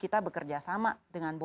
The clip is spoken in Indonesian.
kita bekerja sama dengan